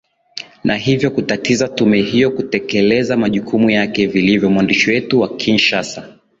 na hivyo kutatiza tume hiyo kutekeleza majukumu yake vilivyo mwandishi wetu wa kinshasa